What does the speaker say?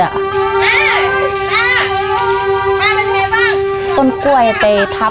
ต้นกล้วยทับที่ขาแก่ค่ะตรงหน้าแข้งกับตรงข้อเท้าทำให้กระดูกหัก